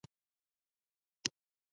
ایا په شا ویده کیږئ؟